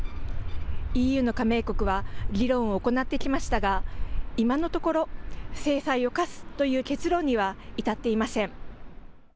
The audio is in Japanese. ＥＵの加盟国は議論を行ってきましたが、今のところ、制裁を科すという結論には至っていません。